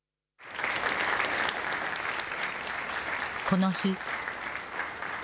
この日。